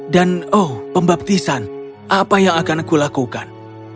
dan oh pembaptisan apa yang akan aku lakukan